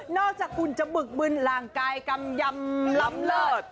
นอกจากกุลเจ้าบึกบึนหลังกายกำยำลำเลิศ